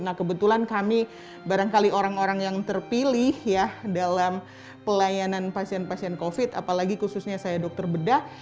nah kebetulan kami barangkali orang orang yang terpilih ya dalam pelayanan pasien pasien covid apalagi khususnya saya dokter bedah